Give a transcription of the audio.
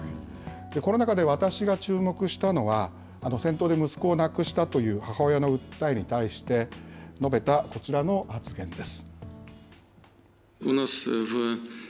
この中で私が注目したのは、戦闘で息子を亡くしたという母親の訴えに対して述べたこちらの発言です。